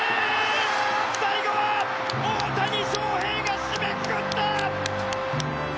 最後は大谷翔平が締めくくった！